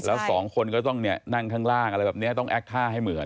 แล้วสองคนก็ต้องเนี่ยนั่งข้างล่างอะไรแบบนี้ต้องแอคท่าให้เหมือน